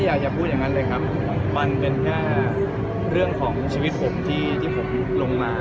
อยากจะพูดอย่างนั้นเลยครับมันเป็นแค่เรื่องของชีวิตผมที่ผมลงมา